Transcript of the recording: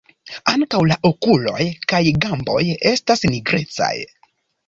Ankaŭ la okuloj kaj gamboj estas nigrecaj.